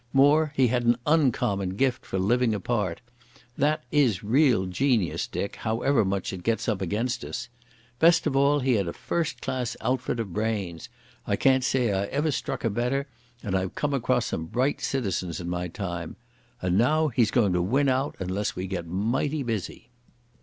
More, he had an uncommon gift for living a part. That is real genius, Dick, however much it gets up against us. Best of all he had a first class outfit of brains. I can't say I ever struck a better, and I've come across some bright citizens in my time.... And now he's going to win out, unless we get mighty busy."